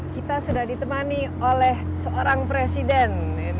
kita sudah ditemani oleh seorang presiden